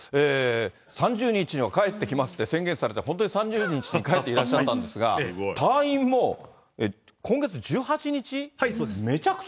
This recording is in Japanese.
３０日には帰ってきますって宣言されて、本当に３０日に帰っていらっしゃったんですが、退院も今月１８日そうです。